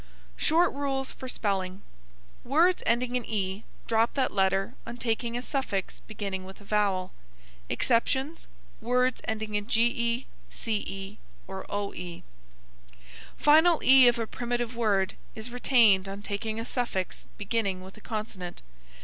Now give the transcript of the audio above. SHORT RULES FOR SPELLING. Words ending in e drop that letter on taking a suffix beginning with a vowel. Exceptions words ending in ge, ce, or oe. Final e of a primitive word is retained on taking a suffix beginning with a consonant.